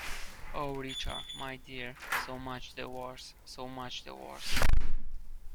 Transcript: Oh, Richard, my dear, so much the worse, so much the worse!